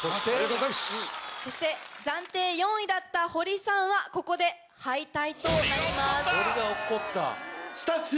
そして暫定４位だったホリさんはここで敗退となります。